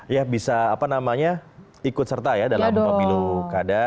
ya bisa ikut serta ya dalam bukabilu kada